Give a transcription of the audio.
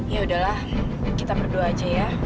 ya udahlah kita berdua aja ya